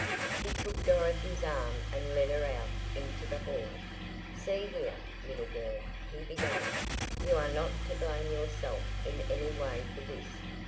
He took Dorothy's arm and led her out into the hall. "See here, little girl," he began, "you are not to blame yourself in any way for this.